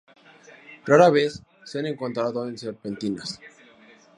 Rara vez se ha encontrado en serpentinas.